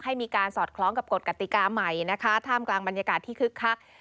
ให้มีการสอดคล้องกับกฎกติกาใหม่นะคะท่ามกลางบรรยากาศที่คึกคัก